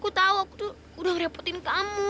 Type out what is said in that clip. aku tahu aku tuh udah ngerepotin kamu